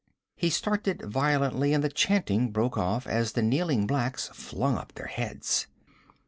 He started violently and the chanting broke off as the kneeling blacks flung up their heads.